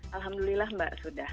alhamdulillah mbak sudah